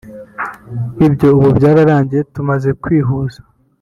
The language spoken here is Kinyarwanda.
Ibyo ubu byararangiye tumaze kwihuza